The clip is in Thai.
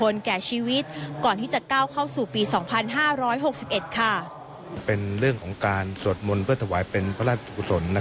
เป็นเรื่องของการสวดมนต์เพื่อถวายเป็นพระราชกุศล